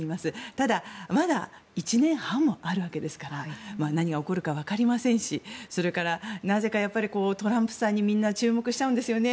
ただまだ１年半もあるわけですから何が起こるかわかりませんしそれから、なぜかトランプさんにみんな注目しちゃうんですね。